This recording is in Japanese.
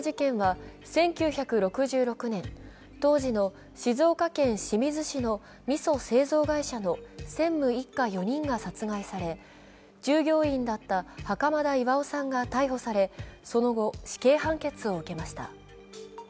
袴田事件は１９６６年、当時の静岡県清水市のみそ製造会社専務一家４人が殺害され、従業員だった袴田巌さんが逮捕され、その後、死刑判決を受けました。